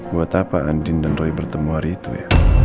buat apa andin dan roy bertemu hari itu ya